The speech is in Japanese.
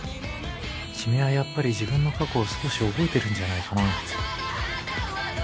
君はやっぱり自分の過去を少し覚えてるんじゃないかな。